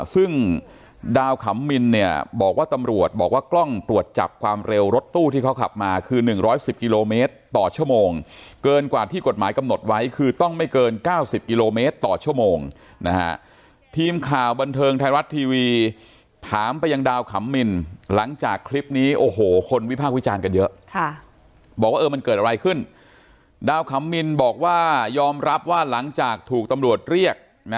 ซึ่งดาวขำมินเนี่ยบอกว่าตำรวจบอกว่ากล้องตรวจจับความเร็วรถตู้ที่เขาขับมาคือ๑๑๐กิโลเมตรต่อชั่วโมงเกินกว่าที่กฎหมายกำหนดไว้คือต้องไม่เกิน๙๐กิโลเมตรต่อชั่วโมงนะฮะทีมข่าวบันเทิงไทยรัฐทีวีถามไปยังดาวขำมินหลังจากคลิปนี้โอ้โหคนวิภาควิจารณ์กันเยอะบอกว่ามันเกิ